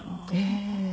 ええ。